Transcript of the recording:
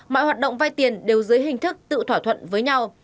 mọi hoạt động vay tiền đều dưới hình thức tự thỏa thuận với nhau